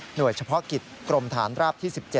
โดยเฉพาะกิจกรมฐานราบที่๑๗